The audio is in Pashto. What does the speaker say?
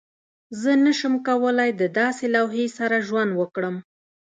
زه نشم کولی د داسې لوحې سره ژوند وکړم